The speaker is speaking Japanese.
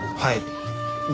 はい。